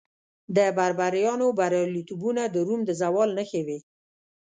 د بربریانو بریالیتوبونه د روم د زوال نښې وې